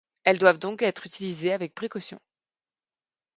Elles doivent donc être utilisées avec précaution.